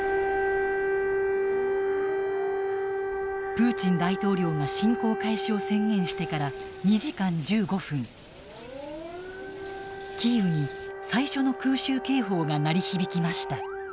プーチン大統領が侵攻開始を宣言してから２時間１５分キーウに最初の空襲警報が鳴り響きました。